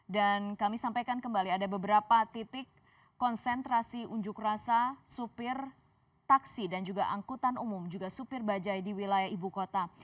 dan kami sampaikan kembali ada beberapa titik konsentrasi unjuk rasa supir taksi dan juga angkutan umum juga supir bajai di wilayah ibu kota